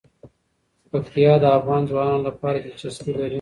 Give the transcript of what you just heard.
پکتیا د افغان ځوانانو لپاره دلچسپي لري.